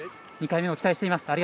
２回目も期待しています。